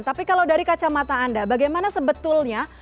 tapi kalau dari kacamata anda bagaimana sebetulnya